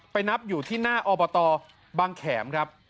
นับอยู่ที่หน้าอบตบางแขมครับ